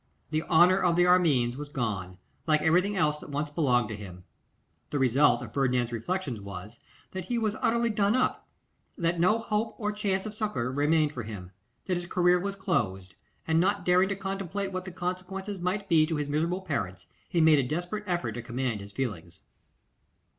The honour of the Armines was gone, like everything else that once belonged to them. The result of Ferdinand's reflections was, that he was utterly done up; that no hope or chance of succour remained for him; that his career was closed; and not daring to contemplate what the consequences might be to his miserable parents, he made a desperate effort to command his feelings.